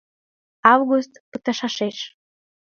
Август пытышашеш.